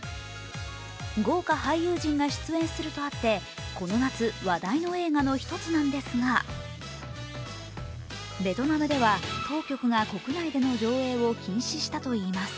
豪華俳優陣が出演するとあって、話題の映画の１つなんですが、ベトナムでは、当局が国内での上映を禁止したといいます。